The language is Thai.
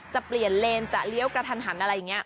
จะเปลี่ยนเลนจะเลี้ยวกระทันหันอะไรอย่างนี้